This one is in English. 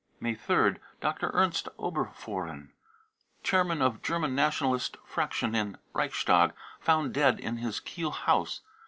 May 3rd. dr. ernst oberfohren, chairman of German Nationalist fraction in Reichstag, found dead in his Kiel house.